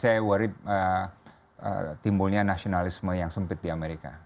saya worry timbulnya nasionalisme yang sempit di amerika